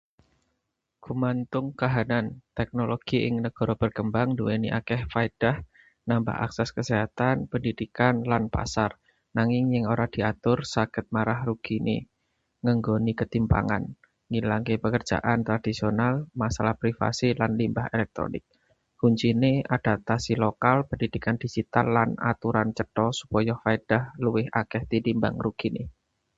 Gumantung kahanan. Teknologi ing negara berkembang nduwèni akeh paedah, nambah akses kesehatan, pendidikan, lan pasar. Nanging yen ora diatur, saged marahi rugine, ngenggoni ketimpangan, ngilangke pekerjaan tradisional, masalah privasi lan limbah elektronik. Kuncine adaptasi lokal, pendidikan digital, lan aturan cetha supaya paedah luwih akeh tinimbang rugine.